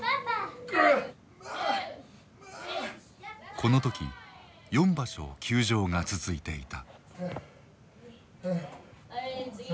この時４場所休場が続いていた。